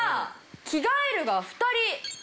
「着替える」が２人。